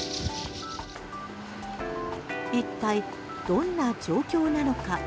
一体、どんな状況なのか。